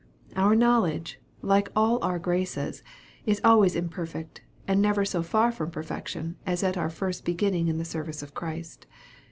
Our knowledge, like all OUT graces, is always imperfect, and never so far from perfection at at our first beginning in the service of Christ.